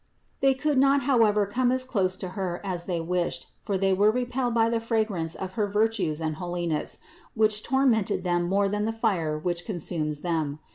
They could not however come as close to Her as they wished, for they were repelled by the fragrance of her virtues and holiness, which tormented them more than the fire which consumes them.